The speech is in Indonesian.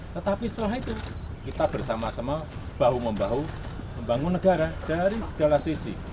tetapi setelah itu kita bersama sama bahu membahu membangun negara dari segala sisi